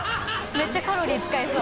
めっちゃカロリー使いそう。